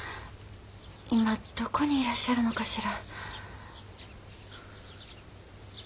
今どこにいらっしゃるのかしら。